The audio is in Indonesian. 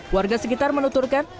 warga sekitar menuturkan